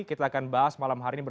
kita akan bahas malam hari ini